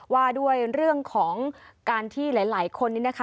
ว่าด้วยเรื่องของการที่หลายคนนี้นะคะ